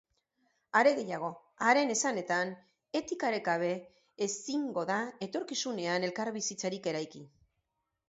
Are gehiago, haren esanetan, etikarik gabe ezingo da etorkizunean elkarbizitzarik eraiki.